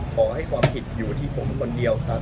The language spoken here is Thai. ขอให้ความผิดอยู่ที่ผมคนเดียวครับ